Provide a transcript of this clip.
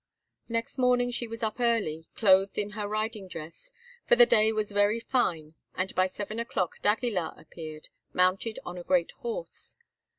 Next morning she was up early, clothed in her riding dress, for the day was very fine, and by seven o'clock d'Aguilar appeared, mounted on a great horse.